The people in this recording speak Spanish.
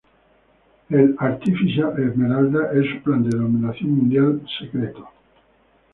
El "Artificial Esmeralda" es su plan de dominación mundial secreto.